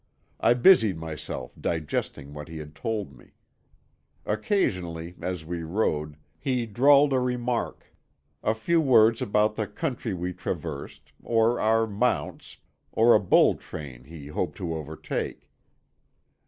I busied myself digesting what he had told me. Occasionally, as we rode, he drawled a remark; a few words about the country we traversed, or our mounts, or a bull train he hoped to overtake.